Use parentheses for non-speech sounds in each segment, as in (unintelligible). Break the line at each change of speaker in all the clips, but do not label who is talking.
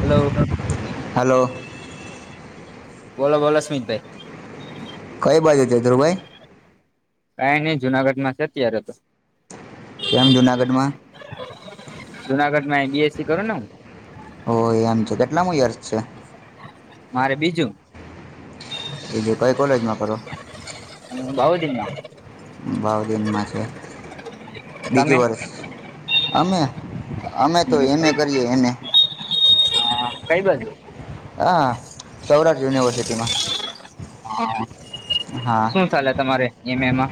Hello
hello
બોલો, બોલો સ્મિતભાઈ
બાજે છે, ધ્રુબાઈ
કઈ નઈ જુનાગઢમાં છે, અત્યારે તો
કેમ, જુનાગઢમા
જુનાગઢ બીએસસી કરો ને
ઓ એમ છે, કેટલામ યર્સ છે.
મારે બીજુ
બીજુ કઈ કોલેજમાં કરો
બાઉદીનમાં
ભાવદનમાં છે,
તમે
બીજું વર્ષ અમે અમે તો એને કરીએ એને.
કઈ બાજું?
આ સૌરાષ્ટ્ર યુનિવર્સિટીમાં.
હા.
હા
શું ચાલે તમારે એમ એમાં?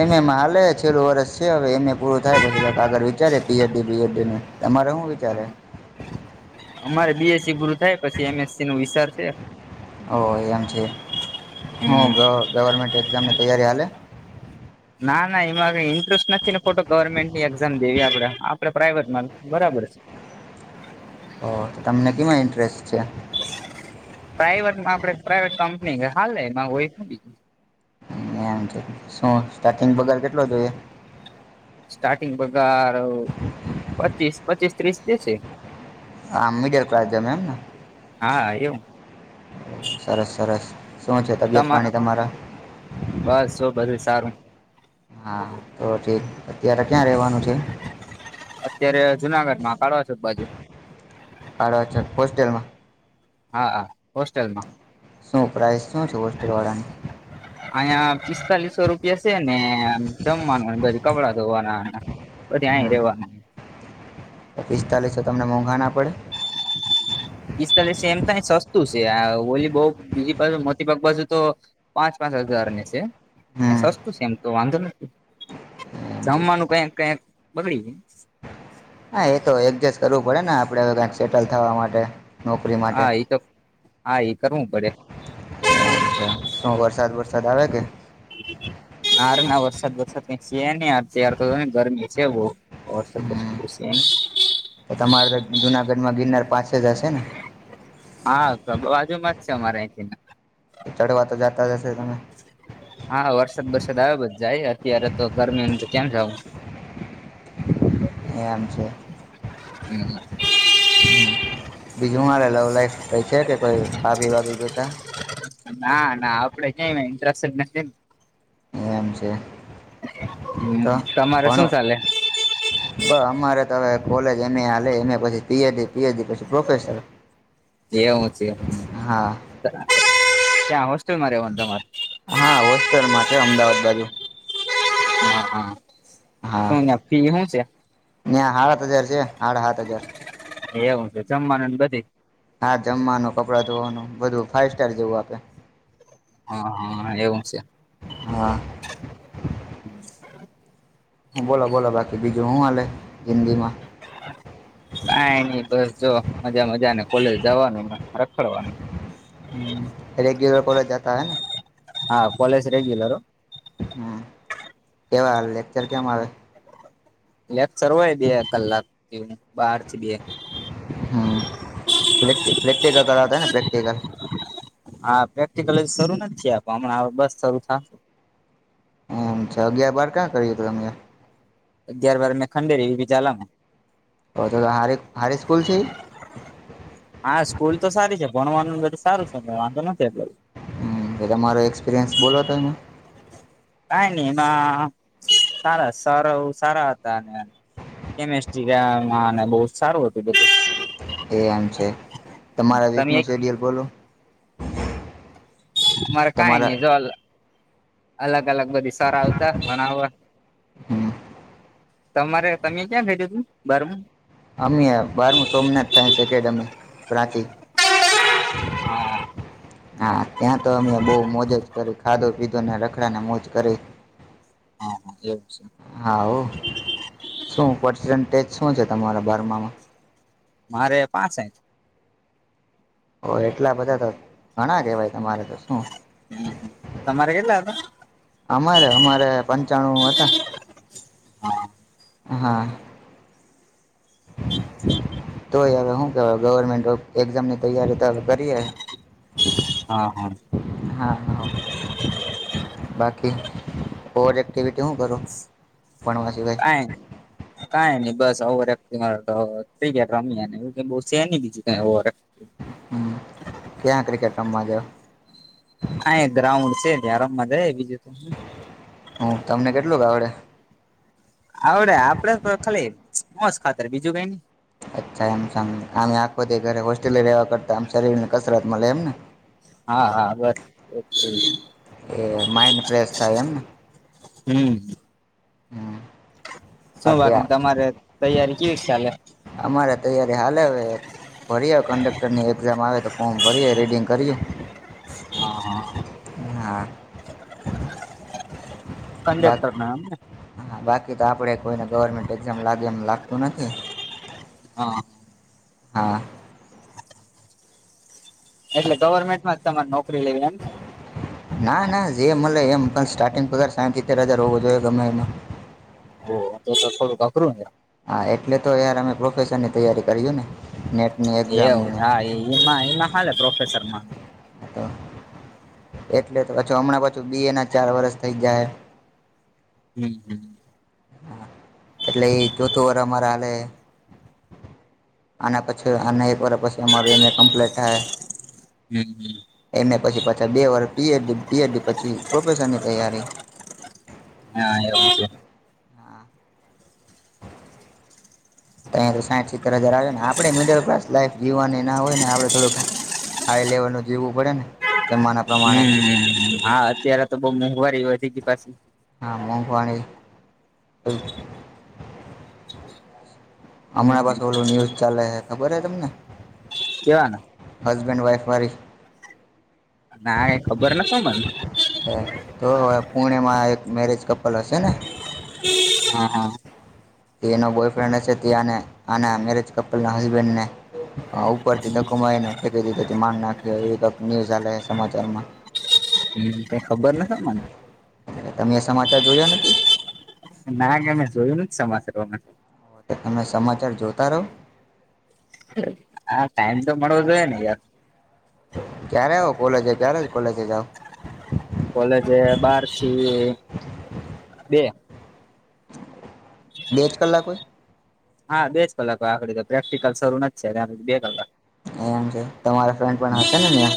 એમ એમાં હાલે, છેલ્લું વર્ષ છે હવે, એમ એ પૂરું થાય પછી કાઈક આગળ વિચારીએ પી એ ડી બી એડ ડીનું. તમા રે હું વિચાર હે?
અમારે બી એસ સી પૂરું થાય પછી એ મએસ સી નો વિચાર સે.
ઓહ એમ છે. હું
હમ
ગ ગવર્મેન્ટ એક્ઝામની તૈયારી હાલે?
ના, ના એમાં હવે ઇન્ટરેસ્ટ નથી ને ખોટો ગવર્મેન્ટ ની એક્ઝામ દેવી આપણે. આપડે પ્રાઈવેટમાં બરાબર છી.
ઓહ, તો તમને કેમાં ઇન્ટરેસ્ટ છે?
પ્રાઈવેટમાં આપણેે પ્રાઈવેટ કંપની હાલે એમાં હોય હું બીજું.
એમ છે. શું સ્ટાર્ટિંગ પગાર કેટલો જોઈએ?
સ્ટાર્ટિંગ પગાર પચીસ-પચીસ ત્રીસ દે છે.
આમ મિડલ ક્લાસ જેમ એમ ને?
હા એવું.
સરસ-સરસ. શું છે તબિયત
તમા
પાણી તમારા?
બસ જો બધું સારું
હા, તો ઠીક. અત્યારે ક્યાં રહેવાનું છે?
અત્યારે જુનાગઢ માં કાડવા ચોક બાજુ.
કાડવા ચોક હોસ્ટલમાં?
હા, હા હોસ્ટેલમાં.
શું પ્રાઈઝ શું છે હોસ્ટેલવાળાની?
અહીંયા પિસ્તાલીસો રૂપિયા સે ને આમ જમવાનું ને બધું કપડાં ધોવાના ને પછી અહીયાં
હમ
રહેવાનું.
તો પિસ્તાલીસો તમને મોંઘા ના પડે?
(unintelligible) અયાં તો સસ્તું સે આ ઓલી બઉ બીજી બાજુ મોતી બાગ બાજુ તો પાંચ પાંચ-પાંચ હજાર ને સે.
હમ
અહિયાં સસ્તું સે એમ તો વાંધો નથી,
એમ છે
જમવાનું કએક-કએક બગડી જાય.
હા એ તો એડજસ્ટ કરવું પડે ને આપણે હવે કાઈક સેટલ થાવા માટે, નોકરી માટે
હા એ તો હા એ કરવું પડે
અચ્છા. શું વરસાદ-વરસાદ આવે કે?
નારે ના વરસાદ બરસાદ છે કાઈ છે નહીં અત્યારે જો ને ગરમી સે બહું. (inaudible)
હમ માં ગિરનાર પાછ
હા બાજુમાં જ છે અમારા અહિનથી.
ચડવા તો જા-
હા વરસાદ બરસાદ આવે પછી જાય અત્યારે તો ગરમી કેમ છો?
એમ છે
હમ્મ.
હમ્મ. બીજું હું હાલે લવ લાઈફ કાઈ છે કે કોઈ ભાભી વાભી ગોયતા?
ના, ના આપડે ક્યાં એમાં ઇન્ટસ્ટડ જ નથી.
એમ છે.
હમ્મ. તમારે શું ચાલે?
બહ અમારે તો હવે કોલેજ એમ એ હાલે એમ પીએડ
તેવું સે એમ.
હા
ત્યાં હોસ્ટેલમાં આવવાનું તમારે?
હા હોસ્ટેલમાં છે અમદાવાદ બાજુ.
હા, હા. શું ન્યાં ફી હું છે?
ન્યા હાત હજાર છે, હાડા હાત હજાર.
એવું છે. જમવાનું ને બધુંય?
હા જમવાનું, કપડાં ધોવાનું, બધું ફાઈવ સ્ટાર જેવું આપે.
હા હા એવું છે
હ
હમ
હ બોલા બોલા બાકી બીજું હું હાલલે જિંદગી માં
કઈ નઈ બસ જો મજા મજા ને કોલેજ જવાનું રખડવાનું
હ રેગ્યુલર કોલેજ જતા હે ને
હા કોલેજ રેગ્યુલર
હમ કેવા લેક્ચર કેમ આવે
લેક્ચર હોય બે કલાક બાર થી બે
હમ પ્ર પ્રેક્ટિકલ કરાતા ને પ્રેક્ટિકલ
હા પ્રેક્ટિકલ શરૂ નથી આપ હમણાં બસ શરૂ થ
અચ્છા અગિયાર બાર ક્યાં કરી્યો તો તમે
અગિયાર બાર મેં ખંડે રી વી ચાલા
તો તો હારી હારી સ્કૂલ છે
(inaudible) હા સ્કૂલ તો સારી છે ભણવાનું બધું સારું છે ને વાંધો નથી એટ
હમ તમારો એક્સપિરિયન્સ બોલો ત અયા
કઈ નઈ એમાં સારા સર સારા હતા કેમેસ્ટ્રીને બહ સારું હતું બધું
એ એમ છે તમારા વીક
તમે
નું
એક
શેડ્યુલ બોલો
મારે કઈ
તમારા
નહી જો અ અલગ લગ બધી સર આવતા ભણવવા
હમ
તમારે તમે ક્યાં કર્યુંધું તું બારમું
અમ બારમું સોમનાથ સાયન્સ એકેડેમી પ્રાંચી (inaudible) હા ત્યાં તો અમે બહ મોજજ કરી ખાધો પીધો ને રખડા ને મોજ કરી
હા હા એવ
હાવ શું પસન્ટેજ શું છે તમારા બારમામાં
મારે પાંસઠ
હ એટલા બધા હતા ઘણા કેહેવાય તમારે તો શું
તમારે કેટલા હતા?
અમારે અમારે પંચાણું હતા
હા
હા તોય હવે શું કહેવાય ગવર્મેન્ટ એક્ઝામની તૈયારી તો કરવી બરી હ
હા હા
હા હા
(inaudible)
હોર એક્ટિિવિટી હ કરો ભણવા સિવાય
કઈ કઈ નહી બસ ઓવર એક્ટિંગ થીતો ઠીક હે રમી ને બીજી કોઈ સે નહીં ગયા બીજી કઈ ઓવર (inaudible)
હમ ક્યાં ક્રિકેટ રમવા જાવ
આ એ ગ્રાઉન્ડ છે ત્યા રમવા જાય બીજું ત
હ, તમને કેટલુંક આવડે?
આવડે, આપડે તો ખાલી સ્મોસ ખાતર બીજું કઈ નઈ!
અચ્છા, એમ સમ, આમેય આખો દી હોસ્ટેલે રેવા કરતા આમ શરીર ને કસરત મલે એમ ને?
હા, હા, બસ
એ માઇન્ડ ફ્રેશ થાય એમ ને
(unintelligible) હમ
હમ
શું બાકી તમારે તૈયારી કેવી ચાલે
અમારે તૈયારી હાલે હવે ભરીએ કંડક્ટર ની એક્ઝામ આવે તો ફોમ ભરીએ, રીડિંગ કરીએ.
હા હા. (unintelligible)
ક તો આપણે કોઈને ગવર્મેન્ટ એક્ઝામ લાગે એમ લાગતું નથી.
હા.
હા.
એટલે ગવર્મેન્ટમાં જ તમારે નોકરી લેવી એમ છે?
ના ના જે મળલે એમ પણ સ્ટાર્ટિંગ પગાર સાઠ સીતેર હજાર હોવો જોઈએ ગમે એમાં.
ઓ તો થોડ અકરું
હા એટલે તો યાર અમે પ્રોફેશનની તૈયારી કરીએને નેટ
એવું હામાં એમાં હાલે પ્રોફેસરમાં
એટલે તો (unintelligible) હમણાં પાછું બી એ ના ચાર વરષ થઈ જાય.
હમ્મ હમ્મ.
એટલે એ જોથું વારમારા હાલે આ પછી અને એક વાર પછી અમારું એમ એ કમ્પ્લીટ થાય.
હમ હમ
એને પછી પાછા બે વાર પ પીએડી પછી પ્રોફેસરની તૈયારી. (inaudible)
હા એવું છે.
અહીંયા તો સાઈઠ સિત્તર હજાર આવ ને આપણે મિડલ ક્લાસ લાઈફ જીવવાની ના હોય ને આપડે થડુંક હાઈ લેવલ ન જીવું પડે ને. જમાના પ્રમાણે
હમ્મ હા અત્યારે તો બહ મોંઘવારી વધી ગી પાછી.
હા મોંઘવાણી. હમણાં
હમ
પાસે ઓલું ન્યૂઝ ચાલે ખબર હે તમને?
કેવાનું?
હસબેન્ડ વાઇફ વરી.
ના એ ખબર નતો મને
તો હવે પુણેમાં મેરેજ કપલ હશે ને.
હા હા.
તેનો બોયફ્રેન્ડ છે તેને આના મેરેજ કપલના હસબેન્ડને હા ઉપરથી ધકોમારીને ફેંકી દીધો માન નાખી એ ન્યૂઝ સમાચારમાં
હમ્મ તે ખબર નતો મને
તમે એ સમાચાર જોયા નથી?
ના ગમે જોયું ન જ સમાચારવામાં.
તમે સમજ
હા ટાઈમ તો મળવો જોએ ને યાર.
ક્યારે આવ કોલેજ ક્યારે કોલેજ જાવ.
કોલેજ એ બારસી બે
બે જ કલાકોઈ.
હા બેજ કલાક આખડી તો પ્રેક્ટિકલ શરૂ નથી છે ત બે કલાક.
એમ છે તમારા ફ્રેન્ડ પણ હશે ને ઇયા?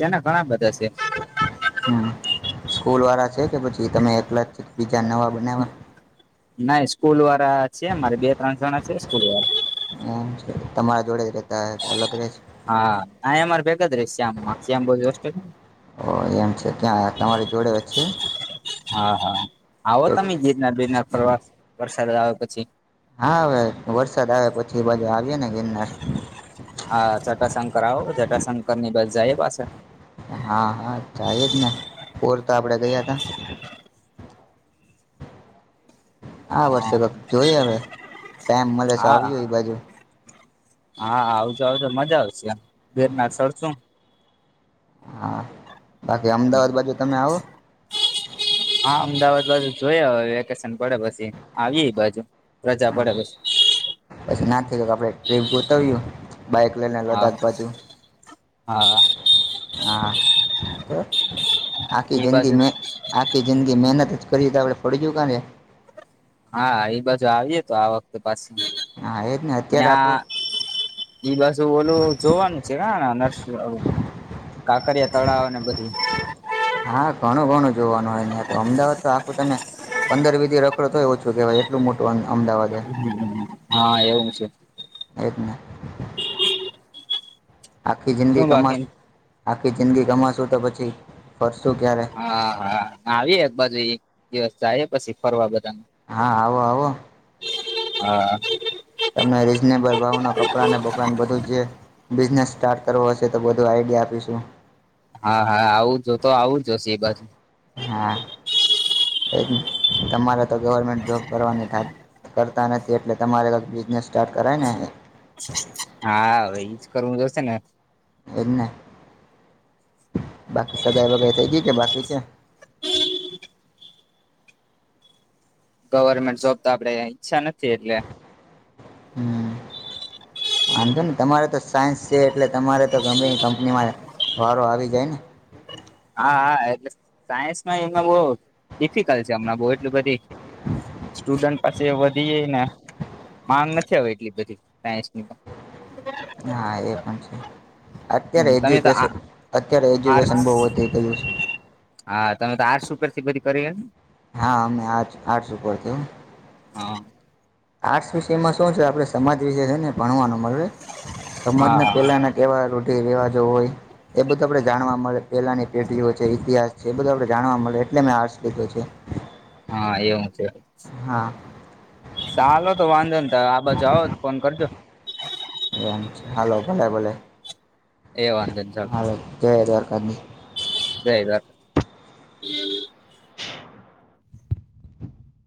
તેના ઘણા બધા છે.
હમ્મ સ્કૂલ વાળા છે કે પછી તમે એકલા જ બીજા નવા બનાવા?
નાઈ સ્કૂલ વાળા છે મારે બે ત્રણ જણા છે સ્કૂલ વાળા.
હમ્મ તમારા જોડે જ રતા હો તો અલગ રહે
હા આ અમારે ભેગા જ રે શ્યામમાં શ્યામ બોજ હોસ્ટેલમાં
તો એમ છે ત્યાં તમારી જોડે છે?
હા હા આવો તમે જીતનાર બીજનાર પ્રવાસ વરસાદ આવે પછી.
હા હવે વરસાદ આવે પછી બાજુ આવીયને ગિરનાર.
હા ચટાશંકરાવ. શંકર ની બસ જાય પાસા.
હા હા થાય જ ને ઓર તો આપડે ગયા ત. હા વર્ષે (unintelligible) જોઈ હવે. ટાઈમ મળે છે આવ
હા
હોય બાજુ
હા આવજો આવજો મજા આવશે આમ વટનાથળ શું
હા બાકી અમદાવાદ બાજુ તમે આવો
પણ જોઈયે હવે વેકેશન પડે પછી આવી બાજુ રજા
હા
પડે પછી
પછી ના થ આપડે ટ્રીપ ગોતાવય્યું બાઈક લઈને
હા
લદાખ બાજુ
હા
હા કે આખી
એ બાજુ
જિંદગી આખી જિંદગી મહેનત જ કરી તો આપડ ફડીજયું કા
હા એ બાજુ આવીએ તો આ વખતે પાછી
હા એ જ ને અત્યારે આપણું
ત્યાં એઈ બાજુ ઓલું જોવાનું છે નર્સ કાકરિયા તળાવ ને બધી
હા ઘણું ઘણું જોવાનું હોય નહં તો અમદાવાદ તો આખું તમે પંદર વિધિ રખડો તોય એ ઓછું કહેય એટલું મોટું અંગ
હ હા એવું છે
એજ ને આખી જિંદગી
શું બાકી
કમાસ આખી જિંદગી કમાસું તો પછી ફરશું ક્યારે
હા હા આવીએ એક બાજુ એક દિવસ જાય પછી ફરવા બધા
હા આવો આવો
હા
તમે રીઝનેબલ ભાવના કપડાને બકડાને બધું જે બિઝનેસ સ્ટાર્ટ કરવો હશે તો બ અગે આપીશું
હા હા આવું જો તો આવું જોશે એ બાજુ
હા એજ તમારે ગવર્મેન્ટ જોબ કરવાની કરતા નથી એટલે તમારે ક બિઝનેસ સ્ટાર્ટ કરાય ને
હા એજ કરવું જોશે ને
એજ ને બાકી સગાઈ વગ થઇ ગય કે બાકી છે
ગવર્મેન્ટ જોબ તો આપડે ઈચ્છા નથી એટલે
હમ વાંધો ને તમારે તો સાયન્સ છે એટલે તમારે તો ગમે કંપનીમાં વારો આવી જાય ને
હા હા એટલે સાયન્સમાં એ બ ડિફિકલ્ટ છે હમણાં બહ એટલ બધી સ્ટુડન્ટ પાસે વધીએ ને માંગ નથી આવે એટલી બધી સાયસની
હા એ પણ છે અત્યારે
તમે તો આ
એજ્યુકેશન અત્યારે એજ્યુકેશન
આર્ટસ
બહુ વધી ગયું છે
હા તમે તો આર સુપેર થી બધી કરીને
હા અમે આર્ટ આર્ટ્સ
હા
આર્ટસ વિષમાં શું છે આપડે સમાજ વિષ છે ને ભણવાનું મળ
હા
સમજને
હા
પેલાના કેવા રોઢિ રિવાજો હોય એ બધું આપડે જાણવા મળે પેલાની પેઢીઓ છે ઇતિહાસ છે એ બધું આપણે જાણવા મળે એટલે મેં હર્સ લીધો છે
હા એવું છે
હા
ચાલો તો વાંધો ને ત આ બાજ આવો ફોન કરજો
હાલો ભલે ભલે
એ વાંધો નહી
હાલ જજાર તબ
જાય વાત